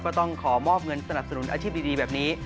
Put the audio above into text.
ก็ต้องขอมอบเงินสนับสนุนอาชีพดีแบบนี้